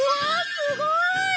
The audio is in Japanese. すごーい！